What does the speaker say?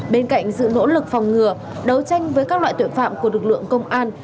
bên cạnh sự nỗ lực phòng ngừa đấu tranh với các loại tội phạm của lực lượng công an